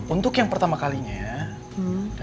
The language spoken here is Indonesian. untuk yang pertama kalinya ya